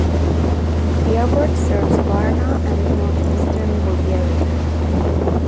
The airport serves Varna and northeastern Bulgaria.